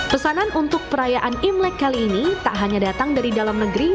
pesanan untuk perayaan imlek kali ini tak hanya datang dari dalam negeri